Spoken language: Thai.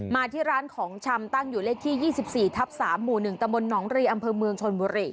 มาที่ร้านของชำตั้งอยู่เลขที่๒๔ทับ๓หมู่๑ตะมนตหนองรีอำเภอเมืองชนบุรี